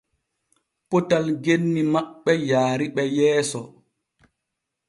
Potal genni maɓɓe wariɓe yeeso.